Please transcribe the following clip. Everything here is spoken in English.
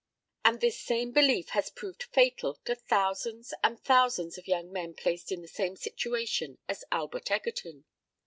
And this same belief has proved fatal to thousands and thousands of young men placed in the same situation as Albert Egerton.